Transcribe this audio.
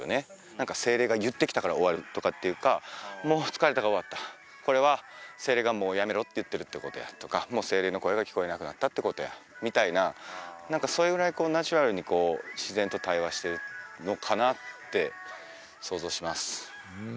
何か精霊が言ってきたから終わるとかっていうかもう疲れたから終わったこれは精霊が「もうやめろ」って言ってるってことやとかもう精霊の声が聞こえなくなったってことやみたいな何かそれぐらいナチュラルにこう自然と対話してるのかなって想像します